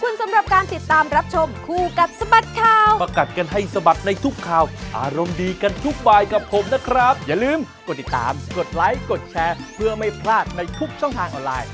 ไลค์กดแชร์เพื่อไม่พลาดในทุกช่องทางออนไลน์